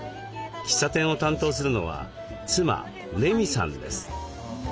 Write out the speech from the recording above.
喫茶店を担当するのは妻麗美さんです。